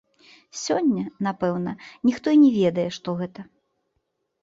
Сёння, напэўна, ніхто і не ведае, што гэта.